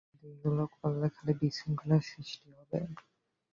কিন্ত এগুলো করলে খালি বিশৃঙ্খলা সৃষ্টি হবে।